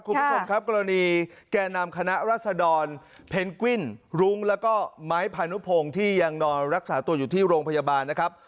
คุณผู้ชมครับกรณีแก่นำคณะรัศดรเพนกวิ้นรุ้งแล้วก็ไม้พานุพงศ์ที่ยังนอนรักษาตัวอยู่ที่โรงพยาบาลนะครับ